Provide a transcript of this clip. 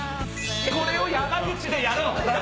これを山口でやろう！